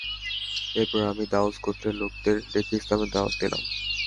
এরপর আমি দাউস গোত্রের লোকদের ডেকে ইসলামের দাওয়াত দিলাম।